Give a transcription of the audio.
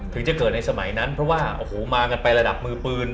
ถึงจะเกิดในสมัยนั้นเพราะว่าโอ้โหมากันไประดับมือปืน